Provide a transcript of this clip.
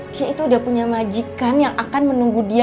dia itu udah punya majikan yang akan menunggu dia